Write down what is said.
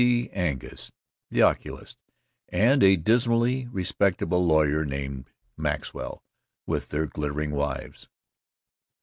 T. Angus, the oculist, and a dismally respectable lawyer named Maxwell, with their glittering wives.